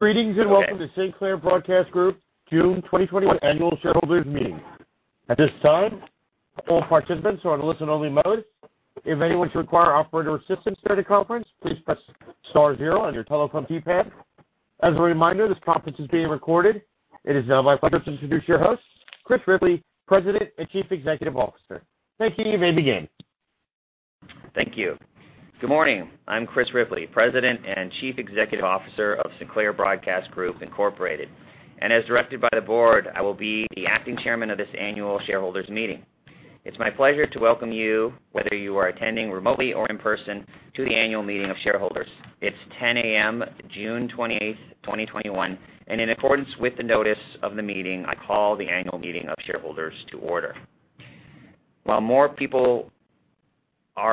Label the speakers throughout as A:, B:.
A: Greetings and welcome to Sinclair Broadcast Group June 2021 Annual Shareholders Meeting. At this time, all participants are in listen only mode. If anyone should require operator assistance during the conference, please press star zero on your telecom keypad. As a reminder, this conference is being recorded. It is now my pleasure to introduce your host, Chris Ripley, President and Chief Executive Officer. Thank you and begin.
B: Thank you. Good morning. I'm Chris Ripley, President and Chief Executive Officer of Sinclair Broadcast Group Incorporated, and as directed by the board, I will be the acting chairman of this annual shareholders meeting. It's my pleasure to welcome you, whether you are attending remotely or in person, to the annual meeting of shareholders. It's 10:00 A.M., June 20th, 2021, and in accordance with the notice of the meeting, I call the annual meeting of shareholders to order. While more people are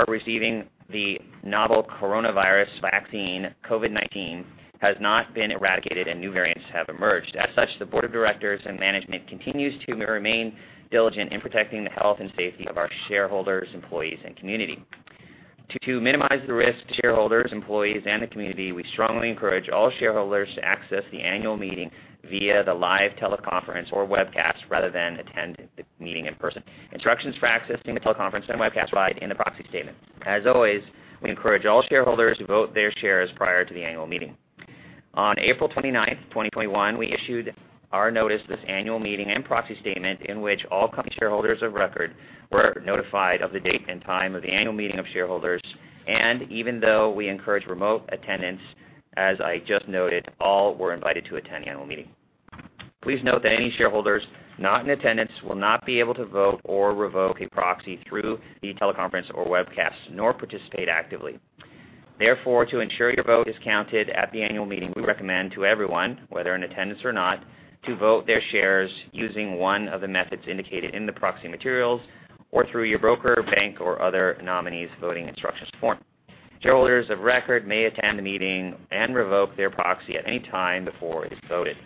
B: receiving the novel coronavirus vaccine, COVID-19 has not been eradicated, and new variants have emerged. As such, the board of directors and management continues to remain diligent in protecting the health and safety of our shareholders, employees, and community. To minimize the risk to shareholders, employees, and the community, we strongly encourage all shareholders to access the annual meeting via the live teleconference or webcast rather than attend the meeting in person. Instructions for accessing the teleconference and webcast lie in the proxy statement. As always, we encourage all shareholders to vote their shares prior to the annual meeting. On April 29th, 2021, we issued our notice, this annual meeting and proxy statement in which all company shareholders of record were notified of the date and time of the annual meeting of shareholders. Even though we encourage remote attendance, as I just noted, all were invited to attend the annual meeting. Please note that any shareholders not in attendance will not be able to vote or revoke a proxy through the teleconference or webcast, nor participate actively. Therefore, to ensure your vote is counted at the annual meeting, we recommend to everyone, whether in attendance or not, to vote their shares using one of the methods indicated in the proxy materials or through your broker, bank, or other nominee's voting instructions form. Shareholders of record may attend the meeting and revoke their proxy at any time before it's voted.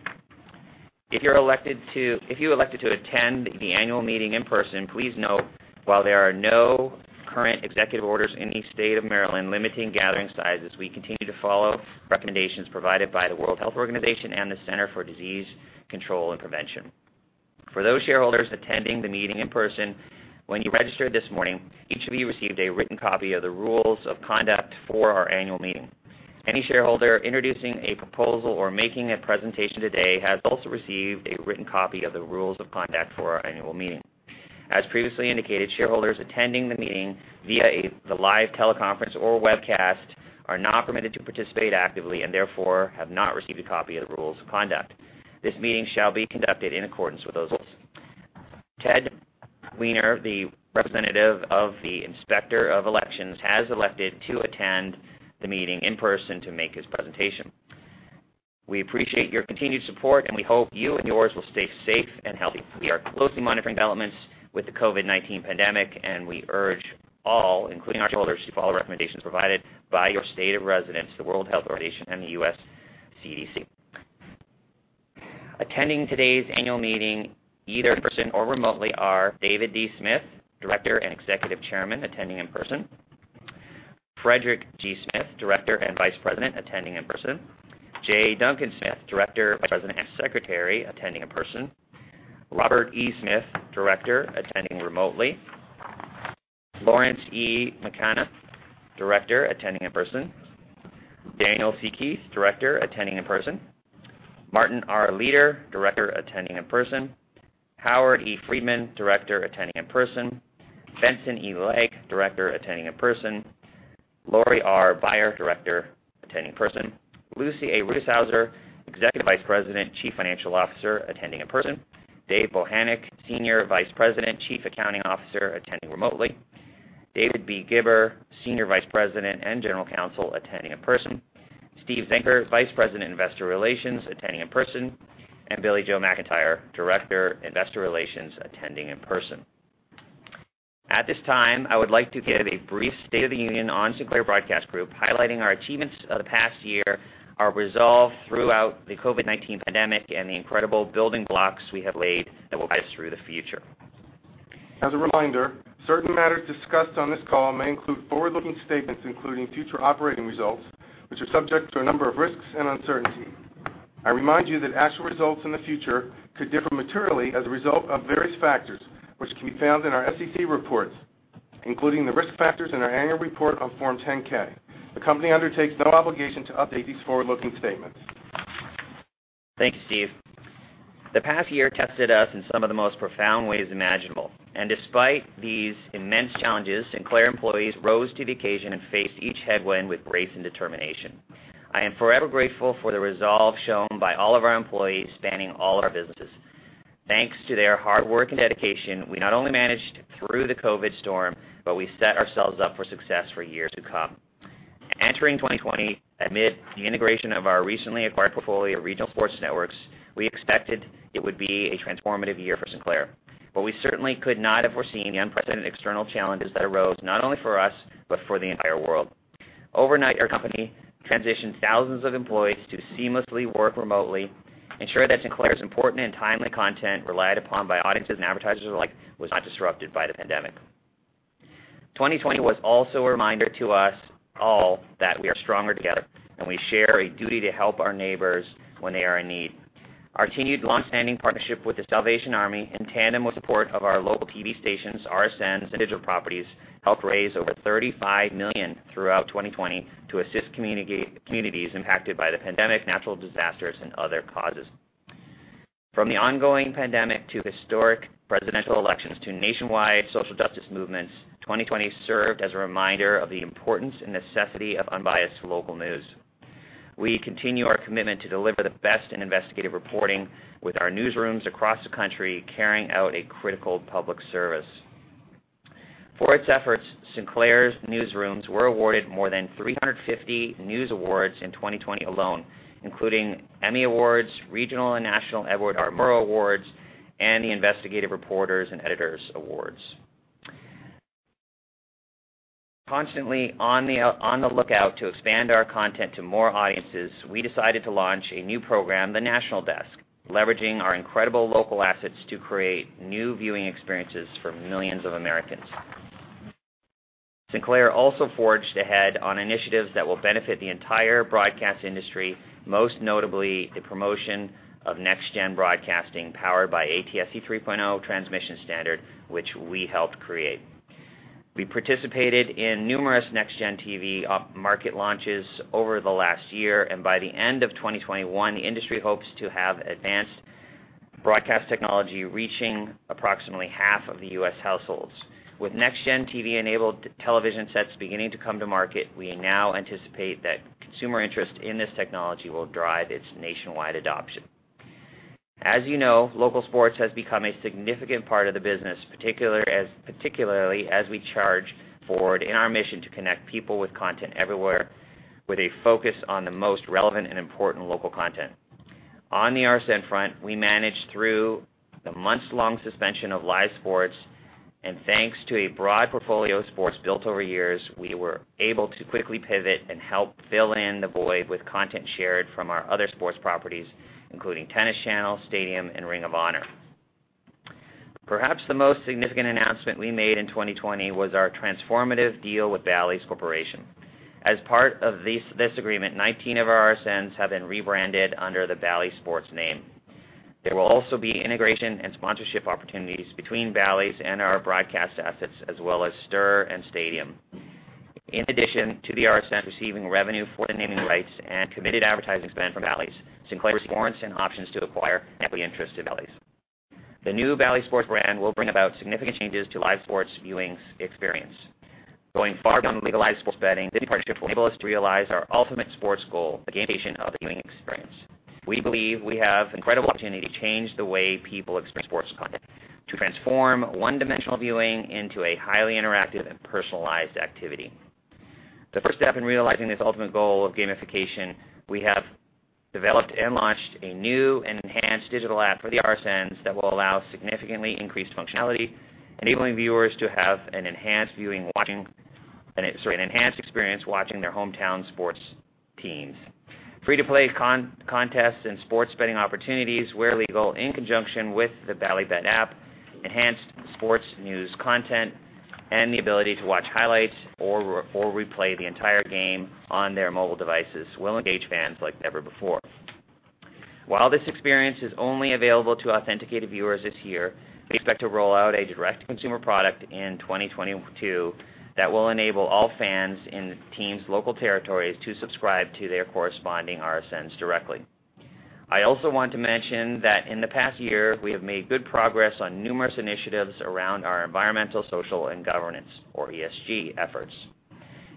B: If you elected to attend the annual meeting in person, please note while there are no current executive orders in the state of Maryland limiting gathering sizes, we continue to follow recommendations provided by the World Health Organization and the Centers for Disease Control and Prevention. For those shareholders attending the meeting in person, when you registered this morning, each of you received a written copy of the rules of conduct for our annual meeting. Any shareholder introducing a proposal or making a presentation today has also received a written copy of the rules of conduct for our annual meeting. As previously indicated, shareholders attending the meeting via the live teleconference or webcast are not permitted to participate actively and therefore have not received a copy of the rules of conduct. This meeting shall be conducted in accordance with those rules. Ted Wiener, the Representative of the Inspector of Elections, has elected to attend the meeting in person to make his presentation. We appreciate your continued support, and we hope you and yours will stay safe and healthy. We are closely monitoring developments with the COVID-19 pandemic, and we urge all, including our shareholders, to follow recommendations provided by your state of residence, the World Health Organization, and the U.S. CDC. Attending today's annual meeting, either in person or remotely, are David D. Smith, Director and Executive Chairman, attending in person. Frederick G. Smith, Director and Vice President, attending in person. J. Duncan Smith, Director, Vice President and Secretary, attending in person. Robert E. Smith, Director, attending remotely. Lawrence E. McCanna, Director, attending in person. Daniel C. Keith, Director, attending in person. Martin R. Leader, Director, attending in person. Howard E. Friedman, Director, attending in person. Benson E. Legg, Director, attending in person. Laurie R. Beyer, Director, attending in person. Lucy A. Rutishauser, Executive Vice President, Chief Financial Officer, attending in person. David R. Bochenek, Senior Vice President, Chief Accounting Officer, attending remotely. David B. Gibber, Senior Vice President and General Counsel, attending in person. Steven Zenker, Vice President, Investor Relations, attending in person, and Billie-Jo McIntire, Director, Investor Relations, attending in person. At this time, I would like to give a brief state of the union on Sinclair Broadcast Group, highlighting our achievements of the past year, our resolve throughout the COVID-19 pandemic, and the incredible building blocks we have laid that will guide us through the future.
C: As a reminder, certain matters discussed on this call may include forward-looking statements including future operating results, which are subject to a number of risks and uncertainty. I remind you that actual results in the future could differ materially as a result of various factors, which can be found in our SEC reports, including the risk factors in our annual report on Form 10-K. The company undertakes no obligation to update these forward-looking statements.
B: Thank you, Steve. The past year tested us in some of the most profound ways imaginable, and despite these immense challenges, Sinclair employees rose to the occasion and faced each headwind with grace and determination. I am forever grateful for the resolve shown by all of our employees spanning all of our businesses. Thanks to their hard work and dedication, we not only managed through the COVID storm, but we set ourselves up for success for years to come. Entering 2020 amid the integration of our recently acquired portfolio of regional sports networks, we expected it would be a transformative year for Sinclair. We certainly could not have foreseen the unprecedented external challenges that arose not only for us, but for the entire world. Overnight, our company transitioned thousands of employees to seamlessly work remotely, ensured that Sinclair's important and timely content relied upon by audiences and advertisers alike was not disrupted by the pandemic. 2020 was also a reminder to us all that we are stronger together, and we share a duty to help our neighbors when they are in need. Our continued longstanding partnership with the Salvation Army, in tandem with support of our local TV stations, RSNs, and digital properties, helped raise over $35 million throughout 2020 to assist communities impacted by the pandemic, natural disasters, and other causes. From the ongoing pandemic to historic presidential elections to nationwide social justice movements, 2020 served as a reminder of the importance and necessity of unbiased local news. We continue our commitment to deliver the best in investigative reporting, with our newsrooms across the country carrying out a critical public service. For its efforts, Sinclair's newsrooms were awarded more than 350 news awards in 2020 alone, including Emmy Awards, regional and national Edward R. Murrow Awards, and the Investigative Reporters and Editors Awards. Constantly on the lookout to expand our content to more audiences, we decided to launch a new program, The National Desk, leveraging our incredible local assets to create new viewing experiences for millions of Americans. Sinclair also forged ahead on initiatives that will benefit the entire broadcast industry, most notably the promotion of NextGen broadcasting powered by ATSC 3.0 transmission standard, which we helped create. We participated in numerous NEXTGEN TV market launches over the last year, and by the end of 2021, the industry hopes to have advanced broadcast technology reaching approximately half of the U.S. households. With NEXTGEN TV-enabled television sets beginning to come to market, we now anticipate that consumer interest in this technology will drive its nationwide adoption. As you know, local sports has become a significant part of the business, particularly as we charge forward in our mission to connect people with content everywhere with a focus on the most relevant and important local content. On the RSN front, we managed through the months-long suspension of live sports, and thanks to a broad portfolio of sports built over years, we were able to quickly pivot and help fill in the void with content shared from our other sports properties, including Tennis Channel, Stadium, and Ring of Honor. Perhaps the most significant announcement we made in 2020 was our transformative deal with Bally's Corporation. As part of this agreement, 19 of our RSNs have been rebranded under the Bally Sports name. There will also be integration and sponsorship opportunities between Bally's and our broadcast assets, as well as STIRR and Stadium. In addition to the RSN receiving revenue for the naming rights and committed advertising spend from Bally's, Sinclair holds some options to acquire and an equity interest in Bally's. The new Bally Sports brand will bring about significant changes to live sports viewing experience. Going far beyond legalized sports betting, this partnership will enable us to realize our ultimate sports goal, the gamification of the viewing experience. We believe we have an incredible opportunity to change the way people experience sports content, to transform one-dimensional viewing into a highly interactive and personalized activity. The first step in realizing this ultimate goal of gamification, we have developed and launched a new and enhanced digital app for the RSNs that will allow significantly increased functionality, enabling viewers to have an enhanced experience watching their hometown sports teams. Free-to-play contests and sports betting opportunities, where legal in conjunction with the Bally Bet app, enhanced sports news content, and the ability to watch highlights or replay the entire game on their mobile devices will engage fans like never before. While this experience is only available to authenticated viewers this year, we expect to roll out a direct consumer product in 2022 that will enable all fans in teams' local territories to subscribe to their corresponding RSNs directly. I also want to mention that in the past year, we have made good progress on numerous initiatives around our environmental, social, and governance, or ESG efforts,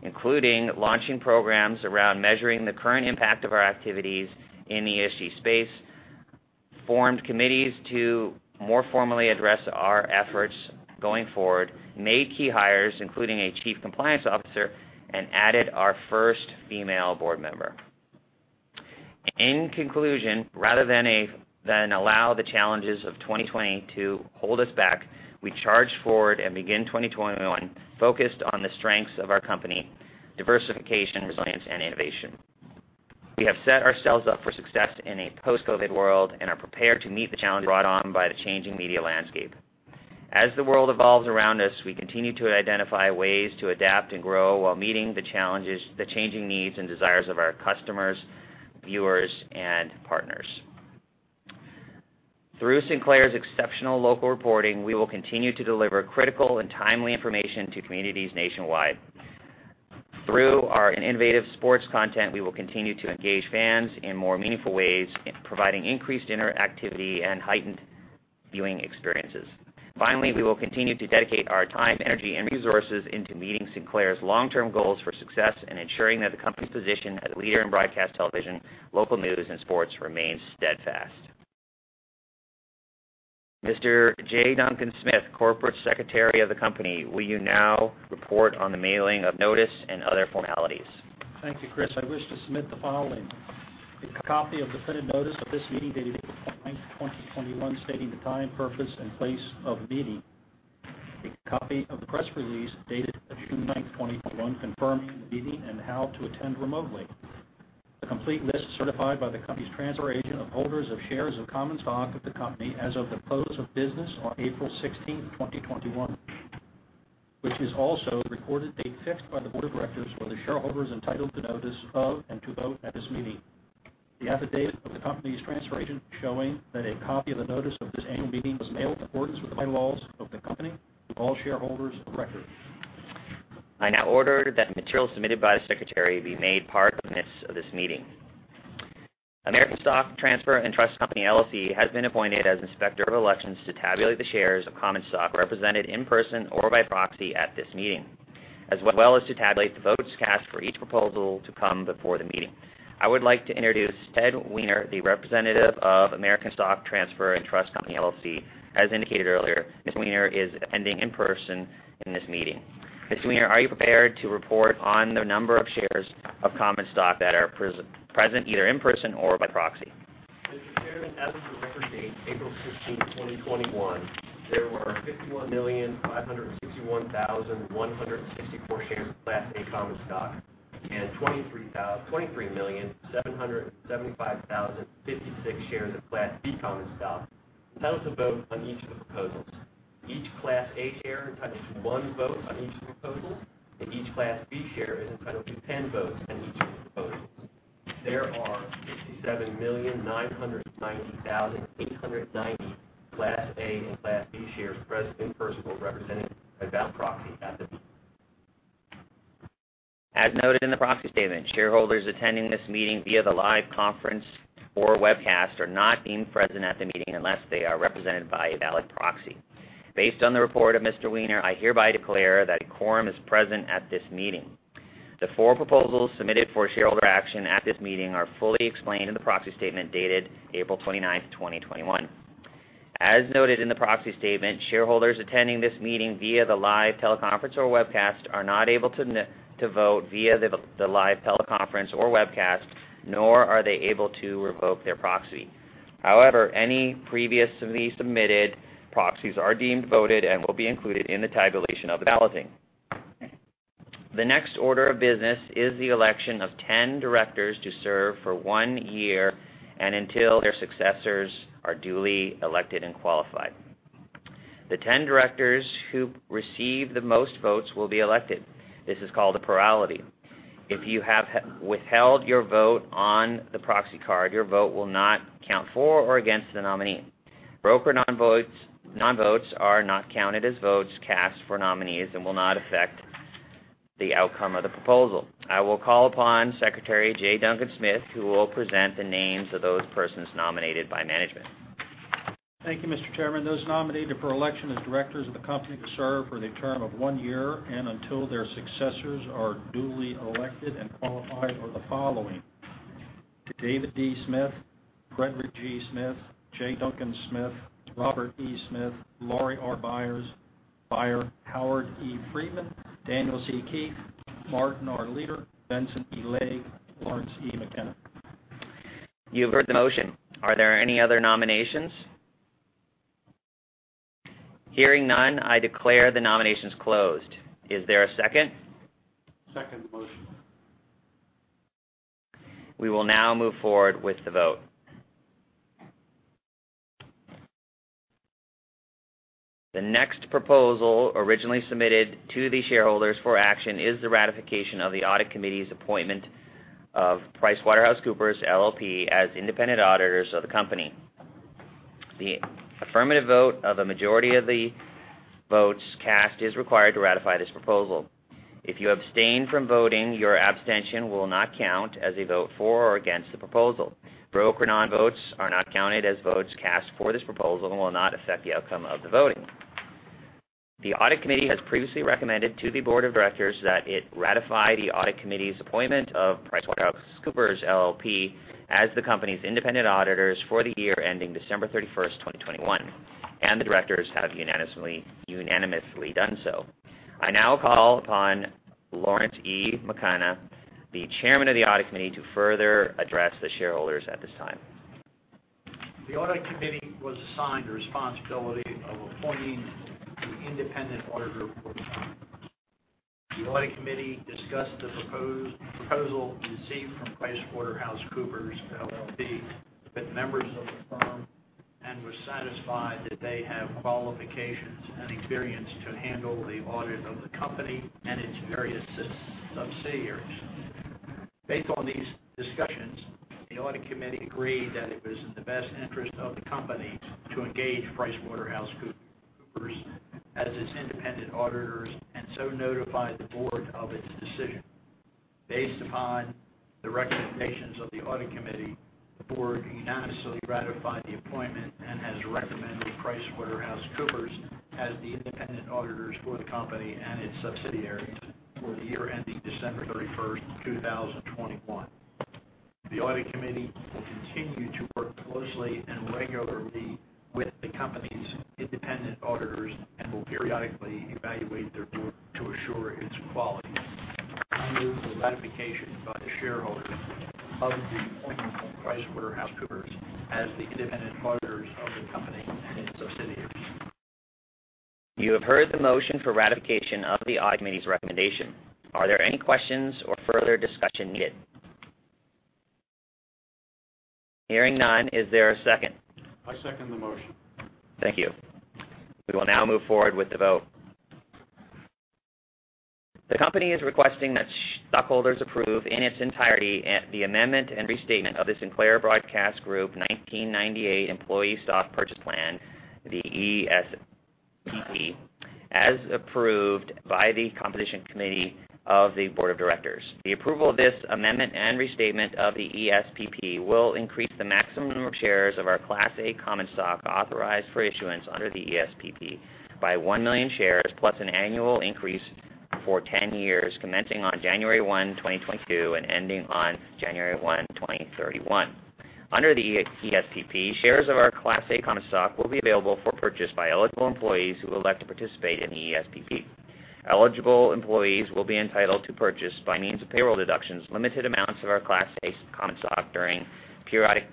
B: including launching programs around measuring the current impact of our activities in the ESG space, formed committees to more formally address our efforts going forward, made key hires, including a chief compliance officer, and added our first female board member. In conclusion, rather than allow the challenges of 2020 to hold us back, we charged forward and begin 2021 focused on the strengths of our company, diversification, resilience, and innovation. We have set ourselves up for success in a post-COVID world and are prepared to meet the challenges brought on by the changing media landscape. As the world evolves around us, we continue to identify ways to adapt and grow while meeting the changing needs and desires of our customers, viewers, and partners. Through Sinclair's exceptional local reporting, we will continue to deliver critical and timely information to communities nationwide. Through our innovative sports content, we will continue to engage fans in more meaningful ways, providing increased interactivity and heightened viewing experiences. Finally, we will continue to dedicate our time, energy, and resources into meeting Sinclair's long-term goals for success and ensuring that the company's position as a leader in broadcast television, local news, and sports remains steadfast. Mr. J. Duncan Smith, Corporate Secretary of the company, will you now report on the mailing of notice and other formalities?
D: Thank you, Chris. I wish to submit the following. A copy of definitive notice of this meeting dated June 9, 2021, stating the time, purpose, and place of the meeting. A copy of the press release dated June 9, 2021, confirming the meeting and how to attend remotely. The complete list certified by the company's transfer agent of holders of shares of common stock of the company as of the close of business on April 16th, 2021, which is also the recorded date fixed by the board of directors for the shareholders entitled to notice of, and to vote at this meeting. The affidavit of the company's transfer agent showing that a copy of the notice of this annual meeting was mailed in accordance with the bylaws of the company to all shareholders of record.
B: I now order that the material submitted by the secretary be made part of the minutes of this meeting. American Stock Transfer & Trust Company, LLC has been appointed as inspector of elections to tabulate the shares of common stock represented in person or by proxy at this meeting, as well as to tabulate the votes cast for each proposal to come before the meeting. I would like to introduce Ted Wiener, the representative of American Stock Transfer & Trust Company, LLC. As indicated earlier, Mr. Wiener is attending in person in this meeting. Mr. Wiener, are you prepared to report on the number of shares of common stock that are present, either in person or by proxy?
E: Mr. Chairman, as of the record date, April 16th, 2021, there were 51,561,164 shares of Class A common stock and 23,775,056 shares of Class B common stock. Count the vote on each of the proposals. Each Class A share is entitled to one vote on each proposal, and each Class B share is entitled to 10 votes on each of the proposals. There are 67,990,890 Class A and Class B shares present in person or represented by valid proxy at the meeting.
B: As noted in the proxy statement, shareholders attending this meeting via the live conference or webcast are not deemed present at the meeting unless they are represented by a valid proxy. Based on the report of Mr. Wiener, I hereby declare that a quorum is present at this meeting. The four proposals submitted for shareholder action at this meeting are fully explained in the proxy statement dated April 29th, 2021. As noted in the proxy statement, shareholders attending this meeting via the live teleconference or webcast are not able to vote via the live teleconference or webcast, nor are they able to revoke their proxy. However, any previously submitted proxies are deemed voted and will be included in the tabulation of the balloting. The next order of business is the election of 10 directors to serve for one year and until their successors are duly elected and qualified. The 10 directors who receive the most votes will be elected. This is called a plurality. If you have withheld your vote on the proxy card, your vote will not count for or against the nominee. Broken or non-votes are not counted as votes cast for nominees and will not affect the outcome of the proposal. I will call upon Secretary J. Duncan Smith, who will present the names of those persons nominated by management.
D: Thank you, Mr. Chairman. Those nominated for election as directors of the company to serve for the term of one year and until their successors are duly elected and qualified are the following: David D. Smith, Frederick G. Smith, J. Duncan Smith, Robert E. Smith, Laurie R. Beyer, Howard E. Friedman, Daniel C. Keith, Martin R. Leader, Benson E. Legg, Lawrence E. McCanna.
B: You've heard the motion. Are there any other nominations? Hearing none, I declare the nominations closed. Is there a second?
D: Second the motion.
B: We will now move forward with the vote. The next proposal originally submitted to the shareholders for action is the ratification of the audit committee's appointment of PricewaterhouseCoopers, LLP as independent auditors of the company. The affirmative vote of a majority of the votes cast is required to ratify this proposal. If you abstain from voting, your abstention will not count as a vote for or against the proposal. Broken or non-votes are not counted as votes cast for this proposal and will not affect the outcome of the voting. The audit committee has previously recommended to the board of directors that it ratify the audit committee's appointment of PricewaterhouseCoopers, LLP as the company's independent auditors for the year ending December 31st, 2021, and the directors have unanimously done so. I now call upon Lawrence E. McCanna. McCanna, the Chairman of the Audit Committee, to further address the shareholders at this time.
F: The audit committee was assigned the responsibility of appointing the independent auditor for the company. The audit committee discussed this proposal received from PricewaterhouseCoopers, LLP with members of the firm and was satisfied that they have qualifications and experience to handle the audit of the company and its various subsidiaries. Based on these discussions, the audit committee agreed that it was in the best interest of the company to engage PricewaterhouseCoopers as its independent auditors and so notified the board of its decision. Based upon the recommendations of the audit committee, the board unanimously ratified the appointment and has recommended PricewaterhouseCoopers as the independent auditors for the company and its subsidiaries for the year ending December 31st, 2021. The audit committee will continue to work closely and regularly with the company's independent auditors and will periodically evaluate their work to assure its quality. I move the ratification by the shareholders of the appointment of PricewaterhouseCoopers as the independent auditors of the company and its subsidiaries.
B: You have heard the motion for ratification of the audit committee's recommendation. Are there any questions or further discussion needed? Hearing none, is there a second?
D: I second the motion.
B: Thank you. We will now move forward with the vote. The company is requesting that stockholders approve in its entirety the amendment and restatement of the Sinclair Broadcast Group 1998 Employee Stock Purchase Plan, the ESPP, as approved by the compensation committee of the board of directors. The approval of this amendment and restatement of the ESPP will increase the maximum number of shares of our Class A common stock authorized for issuance under the ESPP by 1 million shares, plus an annual increase for 10 years, commencing on January 1, 2022, and ending on January 1, 2031. Under the ESPP, shares of our Class A common stock will be available for purchase by eligible employees who elect to participate in the ESPP. Eligible employees will be entitled to purchase by means of payroll deductions, limited amounts of our Class A common stock during periodic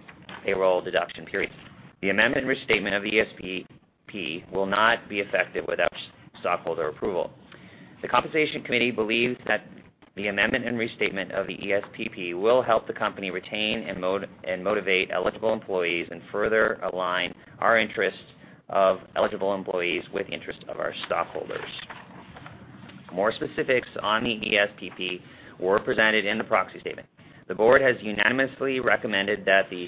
B: payroll deduction periods. The amendment restatement of the ESPP will not be effective without stockholder approval. The compensation committee believes that the amendment and restatement of the ESPP will help the company retain and motivate eligible employees and further align our interests of eligible employees with interests of our stockholders. More specifics on the ESPP were presented in the proxy statement. The board has unanimously recommended that the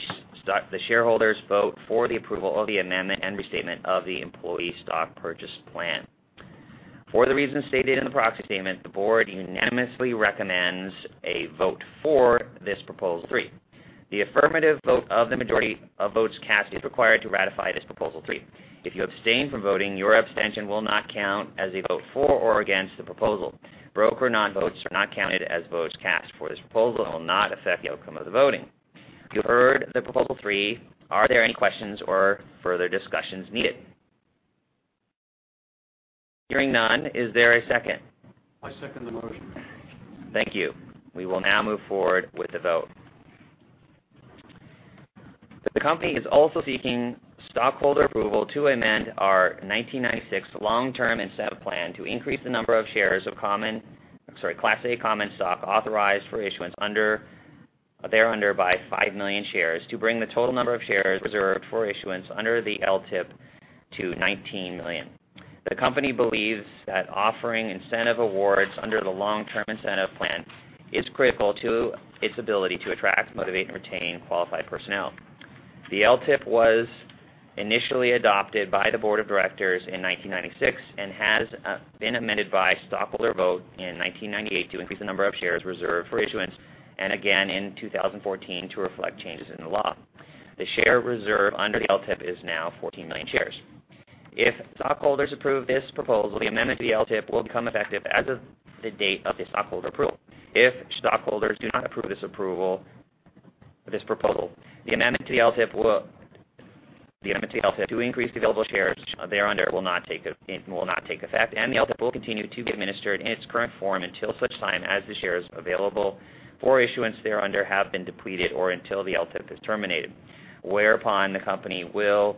B: shareholders vote for the approval of the amendment and restatement of the employee stock purchase plan. For the reasons stated in the proxy statement, the board unanimously recommends a vote for this Proposal 3. The affirmative vote of the majority of votes cast is required to ratify this Proposal 3. If you abstain from voting, your abstention will not count as a vote for or against the proposal. Broker non-votes are not counted as votes cast for this Proposal and will not affect the outcome of the voting. You heard the Proposal 3. Are there any questions or further discussions needed? Hearing none, is there a second?
D: I second the motion.
B: Thank you. We will now move forward with the vote. The company is also seeking stockholder approval to amend our 1996 Long-Term Incentive Plan to increase the number of shares of Class A common stock authorized for issuance thereunder by 5 million shares to bring the total number of shares reserved for issuance under the LTIP to 19 million. The company believes that offering incentive awards under the long-term incentive plan is critical to its ability to attract, motivate, and retain qualified personnel. The LTIP was initially adopted by the board of directors in 1996 and has been amended by stockholder vote in 1998 to increase the number of shares reserved for issuance, and again in 2014 to reflect changes in the law. The share reserve under the LTIP is now 14 million shares. If stockholders approve this proposal, the amended LTIP will become effective as of the date of the stockholder approval. If stockholders do not approve this proposal, the amended LTIP to increase the available shares thereunder will not take effect, and the LTIP will continue to be administered in its current form until such time as the shares available for issuance thereunder have been depleted or until the LTIP is terminated. Whereupon the company will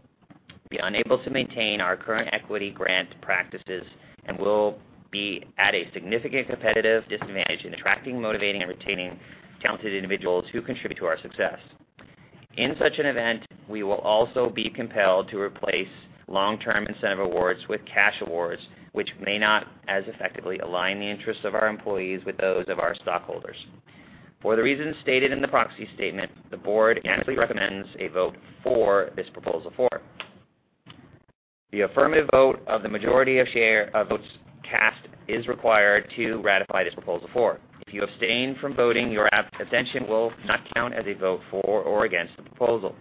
B: be unable to maintain our current equity grant practices and will be at a significant competitive disadvantage in attracting, motivating, and retaining talented individuals who contribute to our success. In such an event, we will also be compelled to replace long-term incentive awards with cash awards, which may not as effectively align the interests of our employees with those of our stockholders. For the reasons stated in the proxy statement, the board unanimously recommends a vote for this Proposal 4. The affirmative vote of the majority of votes cast is required to ratify this Proposal 4. If you abstain from voting, your abstention will not count as a vote for or against the proposal.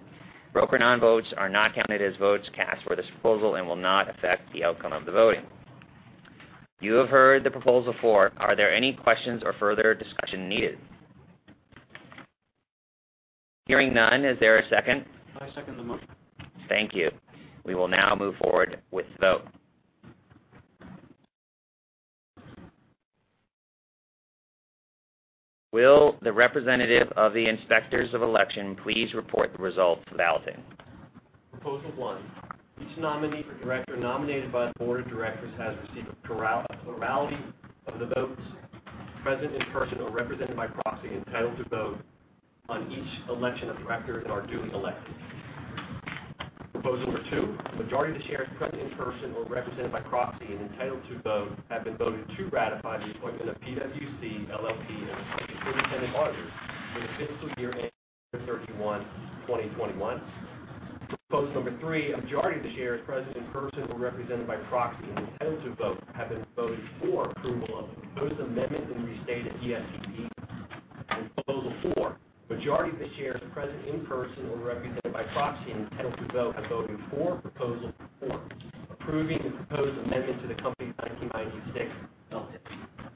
B: Broker non-votes are not counted as votes cast for this proposal and will not affect the outcome of the voting. You have heard the Proposal 4. Are there any questions or further discussion needed? Hearing none, is there a second?
D: I second the motion.
B: Thank you. We will now move forward with the vote. Will the representative of the Inspectors of Election please report the results of the voting?
E: Proposal 1, each nominee for director nominated by the board of directors has received a plurality of the votes. Present in person or represented by proxy entitled to vote on each election of directors are duly elected. Proposal 2, a majority of the shares present in person or represented by proxy and entitled to vote have been voted to ratify the appointment of PwC LLP as the independent auditors for the fiscal year ending December 31, 2021. Proposal 3, a majority of the shares present in person or represented by proxy and entitled to vote have been voted for approval of the proposed amendment and restated ESPP. Proposal 4, a majority of the shares present in person or represented by proxy and entitled to vote have voted for Proposal 4, approving the proposed amendment to the company's 1996 LTIP.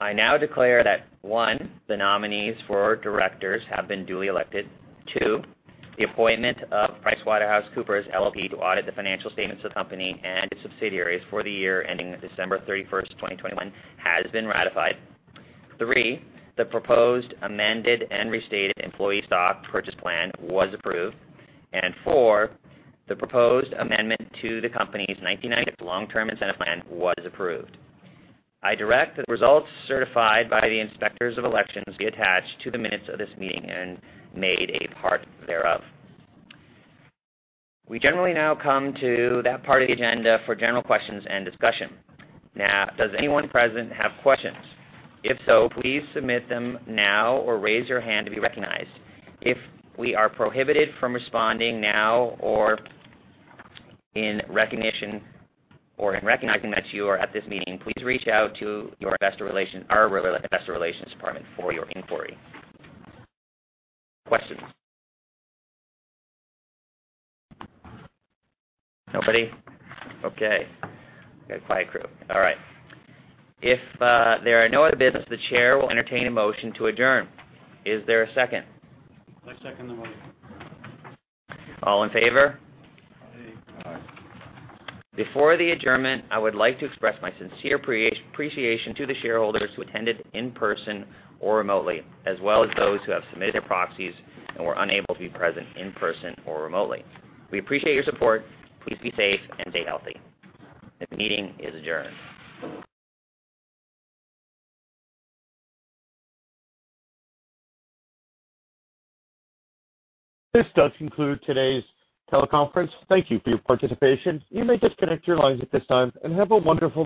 B: I now declare that, one, the nominees for directors have been duly elected. Two, the appointment of PricewaterhouseCoopers LLP to audit the financial statements of the company and its subsidiaries for the year ending December 31st, 2021, has been ratified. Three, the proposed, amended, and restated employee stock purchase plan was approved. Four, the proposed amendment to the company's 1996 Long-Term Incentive Plan was approved. I direct that the results certified by the inspectors of elections be attached to the minutes of this meeting and made a part thereof. We generally now come to that part of the agenda for general questions and discussion. Does anyone present have questions? If so, please submit them now or raise your hand to be recognized. If we are prohibited from responding now or in recognition or in recognizing that you are at this meeting, please reach out to our investor relations department for your inquiry. Questions? Nobody? Okay. We got a quiet crew. All right. If there are no other business, the chair will entertain a motion to adjourn. Is there a second?
D: I second the motion.
B: All in favor.
D: Aye.
B: Before the adjournment, I would like to express my sincere appreciation to the shareholders who attended in person or remotely, as well as those who have submitted their proxies and were unable to be present in person or remotely. We appreciate your support. Please be safe and stay healthy. This meeting is adjourned.
A: This does conclude today's teleconference. Thank you for your participation. You may disconnect your lines at this time, and have a wonderful day.